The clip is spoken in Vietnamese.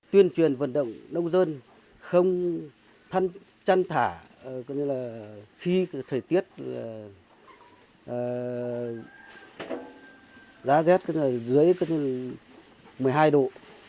tuyên truyền vận động nông dân không chăn thả khi thời tiết giá rét dưới một mươi hai độ